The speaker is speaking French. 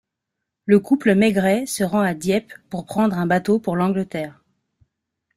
Le couple Maigret se rend à Dieppe pour prendre un bateau pour l'Angleterre.